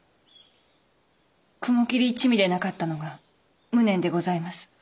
雲霧一味でなかったのが無念でございます。